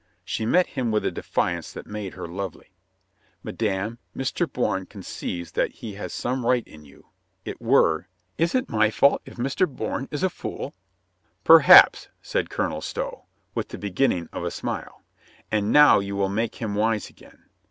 She met him with a defiance that made her lovely. "Madame, Mr. Bourne conceives that he has some right in you. It wer^ " "Is it my fault if Mr. Bourne is a fool?" "Perhaps," said Colonel Stow, with the beginning of a smile. "And now you will make him wise again.